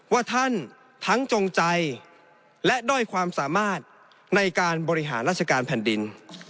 ว่าท่านทั้งจงใจและด้อยความสามารถในการบริหารราชการแผ่นดิน